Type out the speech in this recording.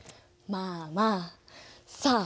まあまあさあ